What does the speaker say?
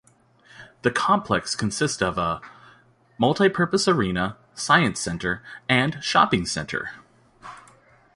The complex consists of: a multipurpose arena, science centre and shopping centre.